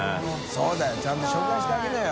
修Δ世ちゃんと紹介してあげなよ